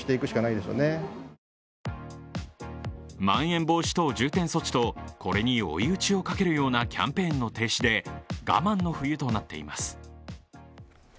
まん延防止等重点措置とこれに追い打ちをかけるようなキャンペーンの停止で我慢の冬となっています。